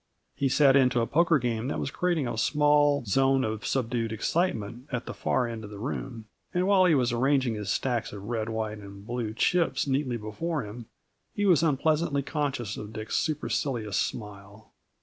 He sat in to a poker game that was creating a small zone of subdued excitement at the far end of the room, and while he was arranging his stacks of red, white, and blue chips neatly before him, he was unpleasantly conscious of Dick's supercilious smile.